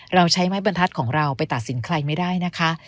เราใช้ไม้บรรทัศน์ของเราไปตัดสินใครไม่ได้นะคะ